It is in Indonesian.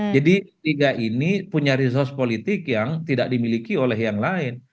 jadi p tiga ini punya resource politik yang tidak dimiliki oleh yang lain